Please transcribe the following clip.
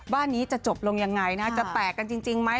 บ้านนี้จะจบลงยังไงนะจะแตกกันจริงไหม